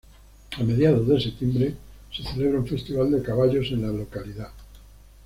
A mediados de septiembre se celebra un festival de caballos en la localidad.